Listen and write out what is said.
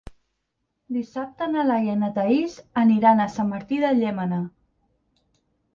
Dissabte na Laia i na Thaís aniran a Sant Martí de Llémena.